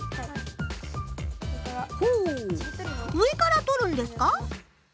ほう上からとるんですか。